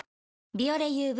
「ビオレＵＶ」